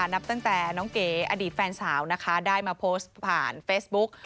นับตั้งแต่น้องเก๋อดีตแฟนสาวนะคะได้มาโพสต์ผ่านเฟซบุ๊ก